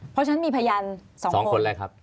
เพราะฉะนั้นมีพยาน๒คน